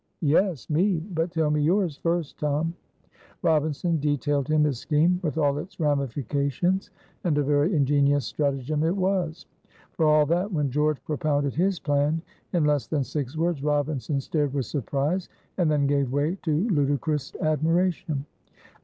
"Yes! me! but tell me yours first, Tom." Robinson detailed him his scheme with all its ramifications, and a very ingenious stratagem it was. For all that, when George propounded his plan in less than six words, Robinson stared with surprise and then gave way to ludicrous admiration.